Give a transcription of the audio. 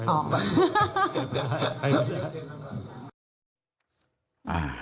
ออกไป